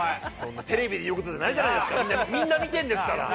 テレビで言うことじゃないじゃないです、みんな見てるんですから。